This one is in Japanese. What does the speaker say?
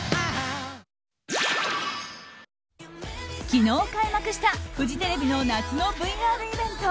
昨日開幕したフジテレビの夏のＶＲイベント